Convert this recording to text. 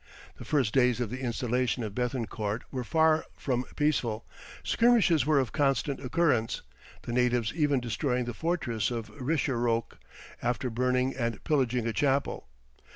The first days of the installation of Béthencourt were far from peaceful; skirmishes were of constant occurrence, the natives even destroying the fortress of Richeroque, after burning and pillaging a chapel.